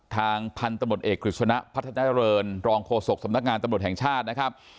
ทางพันธุ์ตำรวจเอกกฤษณะพัฒนาเจริญรองโฆษกสำนักงานตำรวจแห่งชาตินะครับ